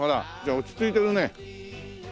落ち着いてるね。